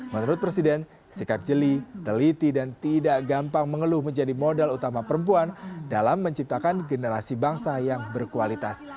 menurut presiden sikap jeli teliti dan tidak gampang mengeluh menjadi modal utama perempuan dalam menciptakan generasi bangsa yang berkualitas